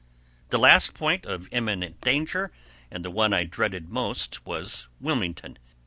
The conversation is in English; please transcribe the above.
The last point of imminent danger, and the one I dreaded most, was Wilmington.